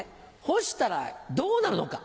干したらどうなるのか。